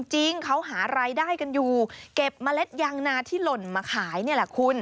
จริงเขาหารายได้กันอยู่เก็บเมล็ดยางนาที่หล่นมาขายนี่แหละคุณ